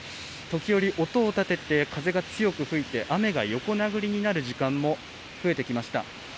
時折音を立てて、風が強く吹いて、雨が横殴りになる時間も増えてきました。